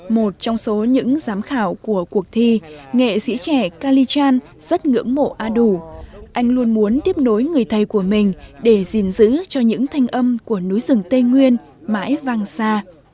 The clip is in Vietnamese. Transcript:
một trong số những giám khảo của cuộc thi nghệ sĩ trẻ kalichan rất ngưỡng mộ a đủ anh luôn muốn tiếp nối người thầy của mình để gìn giữ cho những thanh âm của núi rừng tây nguyên mãi vang xa